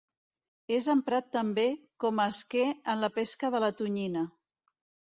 És emprat també com a esquer en la pesca de la tonyina.